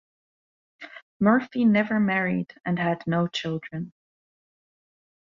Murphy never married and had no children.